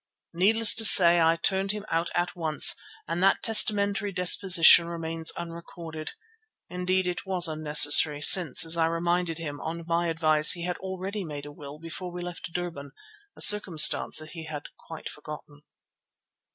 Needless to say I turned him out at once, and that testamentary deposition remained unrecorded. Indeed it was unnecessary, since, as I reminded him, on my advice he had already made a will before we left Durban, a circumstance that he had quite forgotten.